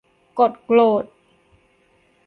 กดโกรธ